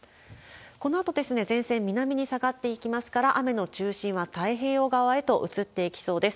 このあと、前線、南に下がっていきますから、雨の中心は太平洋側へと移っていきそうです。